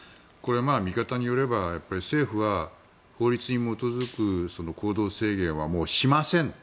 見方によれば政府は法律に基づく行動制限はもうしません。